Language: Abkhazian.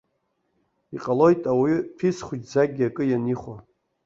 Иҟалоит ауаҩы ҭәиц хәыҷӡакгьы акы ианихәо.